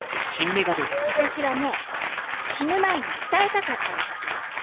私はね死ぬ前に伝えたかったの。